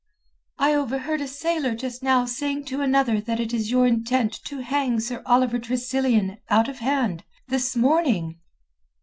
"I overheard a sailor just now saying to another that it is your intent to hang Sir Oliver Tressilian out of hand—this morning."